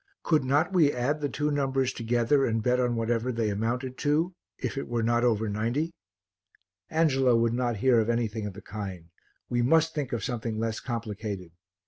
Could not we add the two numbers together and bet on whatever they amounted to, if it were not over 90? Angelo would not hear of anything of the kind; we must think of something less complicated.